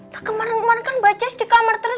nah kemarin kemarin kan mbak jess di kamar terus